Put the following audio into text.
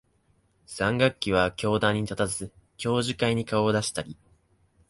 三学期は教壇に立たず、教授会に顔を出したり、